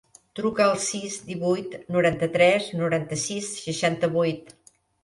Truca al sis, divuit, noranta-tres, noranta-sis, seixanta-vuit.